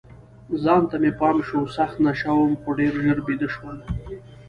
ځان ته مې پام شو، سخت نشه وم، خو ډېر ژر بیده شوم.